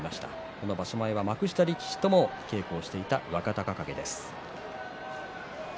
この場所前は幕下力士とも稽古をしていた若隆景です。